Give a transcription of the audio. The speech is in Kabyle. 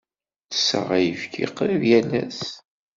Ttesseɣ ayefki qrib yal ass.